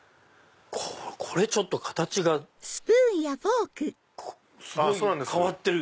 これちょっと形がすごい変わってる。